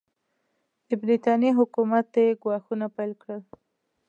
د برټانیې حکومت ته یې ګواښونه پیل کړل.